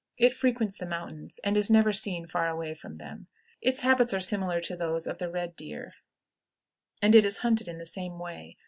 It frequents the mountains, and is never seen far away from them. Its habits are similar to those of the red deer, and it is hunted in the same way.